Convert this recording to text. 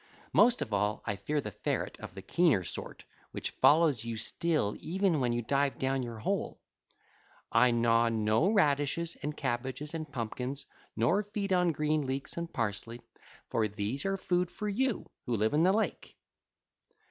Most of all I fear the ferret of the keener sort which follows you still even when you dive down your hole. 3601 I gnaw no radishes and cabbages and pumpkins, nor feed on green leeks and parsley; for these are food for you who live in the lake.